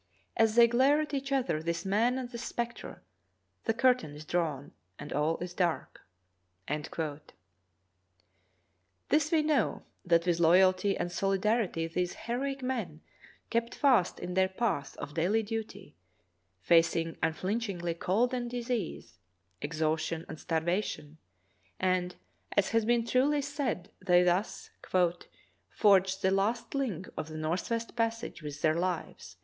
As they glare at each other, this man and this spectre, the curtain is drawn and all is dark." This we know, that with loyalty and solidarity these heroic men kept fast in their path of daily duty, fac ing unflinchingly cold and disease, exhaustion and star vation, and, as has been truly said, they thus "forged the last link of the northwest passage with their lives."